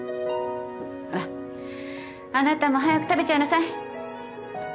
ほらあなたも早く食べちゃいなさい。